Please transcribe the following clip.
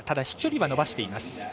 飛距離は伸ばしています。